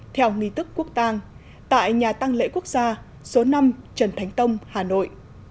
theo nghị tức quốc tàng tại nhà tăng lễ quốc gia số năm trần thánh tông hà nội